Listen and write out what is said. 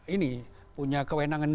ini punya kewenangan yang lainnya